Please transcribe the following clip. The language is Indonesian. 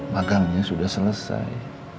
magangnya sudah selesai